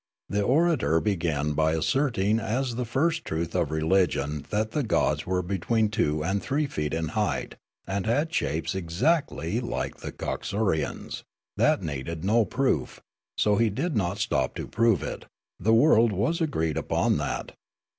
The orator began by as serting as the first truth of religion that the gods were between two and three feet in height, and had shapes exactl}' like the Coxurians : that needed no proof, so he did not stop to prov^e it; the world was agreed upon that.